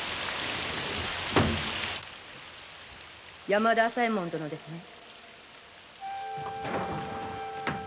・山田朝右衛門殿ですね。